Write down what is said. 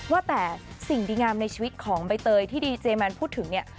ว่าแต่สิ่งดีงามในชีวิตของใบเตยที่ดีเจแมนพูดถึงเนี่ย